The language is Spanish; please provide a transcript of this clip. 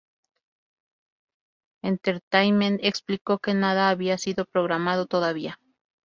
Entertainment explicó que nada había sido programado todavía.